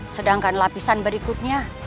sedangkan lapisan berikutnya